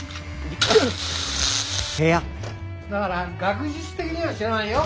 だから学術的には知らないよ？